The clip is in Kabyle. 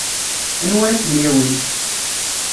Anwa ara kem-yawin?